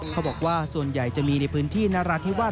เขาบอกว่าส่วนใหญ่จะมีในพื้นที่นราธิวาส